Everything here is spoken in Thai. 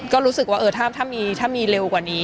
ก็รู้สึกว่าถ้ามีเร็วกว่านี้อะไรอย่างเนี่ย